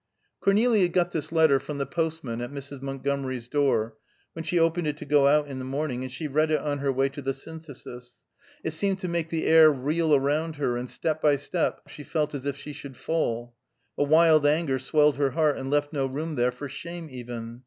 Cornelia got this letter from the postman at Mrs. Montgomery's door, when she opened it to go out in the morning, and she read it on her way to the Synthesis. It seemed to make the air reel around her, and step by step she felt as if she should fall. A wild anger swelled her heart, and left no room there for shame even.